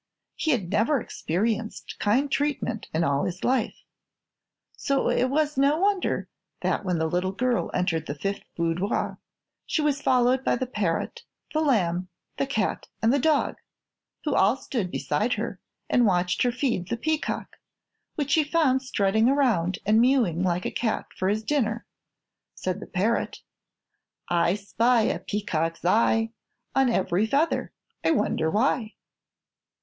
He had never experienced kind treatment in all his life. So it was no wonder that when the little girl entered the fifth boudoir she was followed by the parrot, the lamb, the cat and the dog, who all stood beside her and watched her feed the peacock, which she found strutting around and mewing like a cat for his dinner. Said the parrot: "I spy a peacock's eye On every feather I wonder why?"